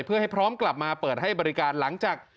เพื่อให้พร้อมกลับมาเปิดให้บริการหลังจาก